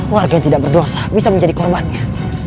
warga yang tidak berdosa bisa menjadi korbannya